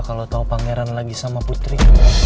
kalau tau pangeran lagi sama putri